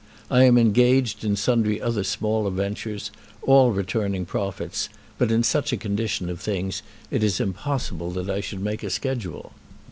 I am engaged in sundry other smaller ventures, all returning profits; but in such a condition of things it is impossible that I should make a schedule.